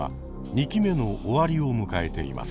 ２期目の終わりを迎えています。